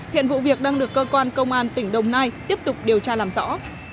hiện vụ việc đang được cơ quan công an tỉnh đồng nai tiếp tục điều tra làm rõ